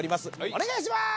お願いします！